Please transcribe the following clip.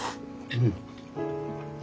うん。